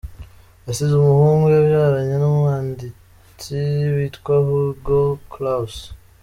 Asize umuhungu yabyaranye n’umwanidtsi witwa Hugo Claus.